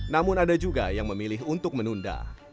namun ada juga yang memilih untuk menunda